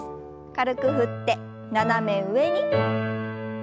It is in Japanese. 軽く振って斜め上に。